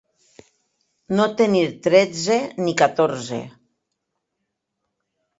No tenir tretze ni catorze.